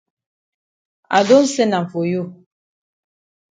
I don sen am for you.